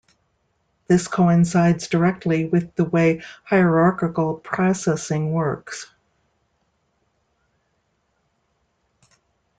This coincides directly with the way hierarchical processing works.